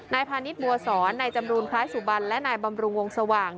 พาณิชย์บัวสอนนายจำรูนคล้ายสุบันและนายบำรุงวงสว่าง